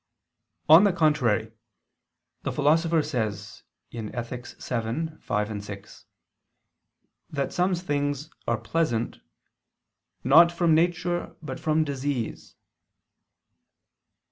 On the contrary, The Philosopher says (Ethic. vii, 5, 6) that some things are pleasant "not from nature but from disease."